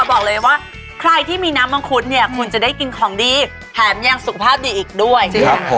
บอกเลยว่าใครที่มีน้ำมังคุดเนี่ยคุณจะได้กินของดีแถมยังสุขภาพดีอีกด้วยนะครับ